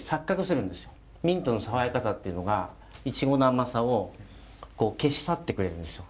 ミントの爽やかさっていうのがいちごの甘さを消し去ってくれるんですよ